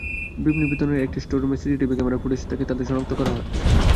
বিপণিবিতানের একটি স্টোররুমের সিসিটিভি ক্যামেরার ফুটেজ থেকে তাঁদের শনাক্ত করা হয়।